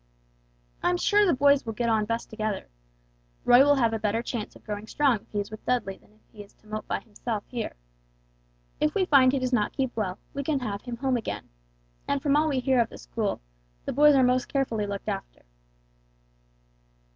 "I am sure the boys will get on best together; Roy will have a better chance of growing strong if he is with Dudley than if he is to mope by himself here. If we find he does not keep well, we can have him home again; and from all we hear of the school, the boys are most carefully looked after."